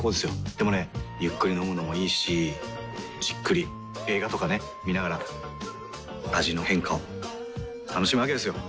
でもねゆっくり飲むのもいいしじっくり映画とかね観ながら味の変化を楽しむわけですよ。